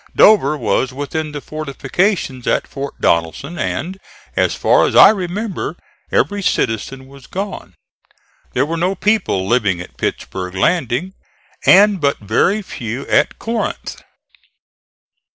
Dover was within the fortifications at Fort Donelson, and, as far as I remember, every citizen was gone. There were no people living at Pittsburg landing, and but very few at Corinth.